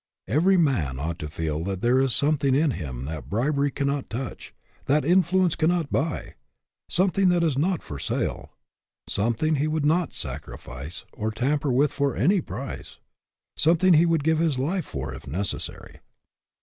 Every man ought to feel that there is some thing in him that bribery cannot touch, that influence cannot buy ; something that is not for sale ; something he would not sacrifice or tam per with for any price; something he would give his life for if necessary.